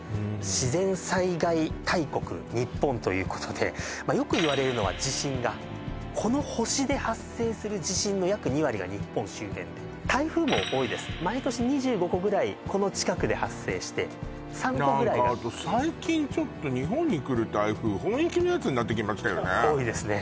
自然災害大国「日本」ということでよく言われるのは地震がこの星で発生する地震の約２割が日本周辺で台風も多いです毎年２５個ぐらいこの近くで発生して何かあと最近ちょっと日本に来る台風本意気のやつになってきましたよね多いですね